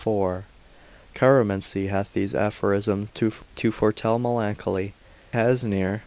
Chiromancy hath these aphorisms to foretell melancholy, Tasneir.